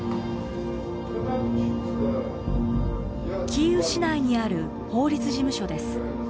キーウ市内にある法律事務所です。